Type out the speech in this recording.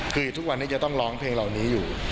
คือทุกวันนี้จะต้องร้องเพลงเหล่านี้อยู่